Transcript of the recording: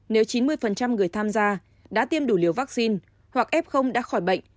nếu chín mươi người tham gia đã tiêm đủ liều vaccine hoặc f đã khỏi bệnh